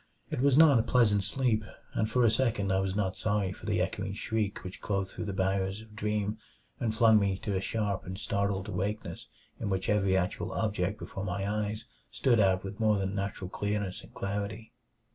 It was not a pleasant sleep, and for a second I was not sorry for the echoing shriek which clove through the barriers of dream and flung me to a sharp and startled awakeness in which every actual object before my eyes stood out with more than natural clearness and reality.